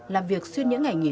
làm việc xuyên những ngày nghỉ